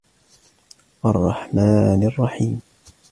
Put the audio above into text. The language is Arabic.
الرَّحْمَنِ الرَّحِيمِ